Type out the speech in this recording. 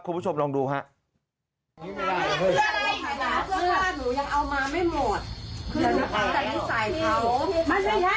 คุณผู้ชมลองดูครับ